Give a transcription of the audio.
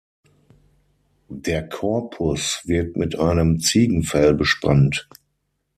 Der Korpus wird mit einem Ziegenfell bespannt.